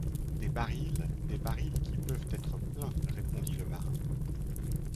Des barils, des barils, qui peuvent être pleins répondit le marin.